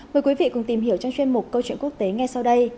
hãy cùng tìm hiểu trong chuyên mục câu chuyện quốc tế ngay sau đây